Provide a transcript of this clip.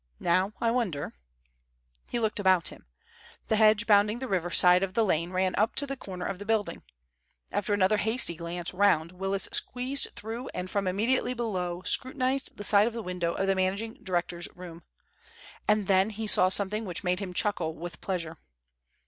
Now I wonder—" He looked about him. The hedge bounding the river side of the lane ran up to the corner of the building. After another hasty glance round Willis squeezed through and from immediately below scrutinized the side window of the managing director's room. And then he saw something which made him chuckle with pleasure.